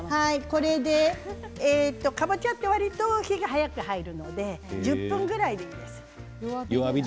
これでかぼちゃってわりと火が早く入るので１０分ぐらいでいいです。